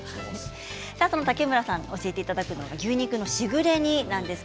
そんな竹村さんに教えていただくのが牛肉のしぐれ煮です。